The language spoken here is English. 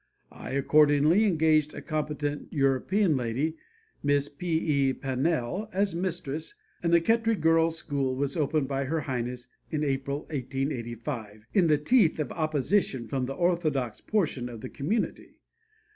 I, accordingly, engaged a competent European lady, Miss P.E. Pannell, as mistress, and the Khetri Girls' School was opened by Her Highness in April, 1885, in the teeth of opposition from the orthodox portion of the community.